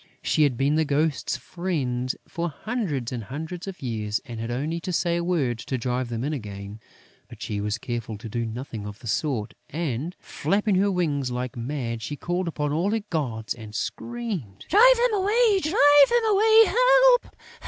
She had been the Ghosts' friend for hundreds and hundreds of years and had only to say a word to drive them in again; but she was careful to do nothing of the sort and, flapping her wings like mad, she called upon all her gods and screamed: "Drive them away! Drive them away! Help!